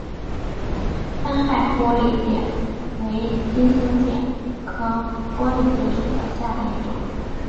三害玻璃介为金星介科玻璃介属下的一个种。